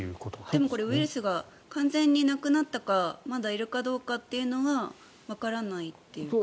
でもこれウイルスが完全になくなったかまだいるかどうかというのはわからないということ？